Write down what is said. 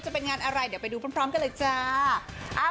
จะเป็นงานอะไรเดี๋ยวไปดูพร้อมกันเลยจ้า